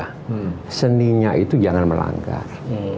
karena seninya itu jangan melanggar